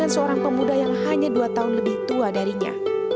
seorang pemuda yang hanya dua tahun lebih tua darinya